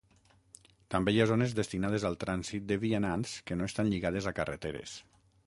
També hi ha zones destinades al trànsit de vianants que no estan lligades a carreteres.